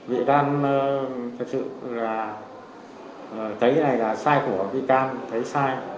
vị can thật sự là thấy cái này là sai của vị can thấy sai